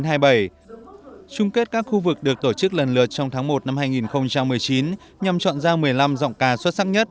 trung kết các khu vực được tổ chức lần lượt trong tháng một năm hai nghìn một mươi chín nhằm chọn ra một mươi năm giọng ca xuất sắc nhất